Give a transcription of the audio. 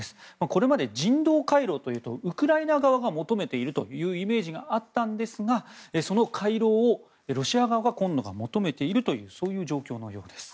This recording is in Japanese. これまで人道回廊というとウクライナ側が求めているというイメージがあったんですがその回廊を今度はロシア側は求めているというそういう状況のようです。